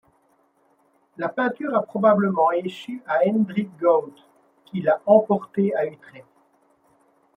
La peinture a probablement échu à Hendrick Goudt, qui l'a emportée à Utrecht.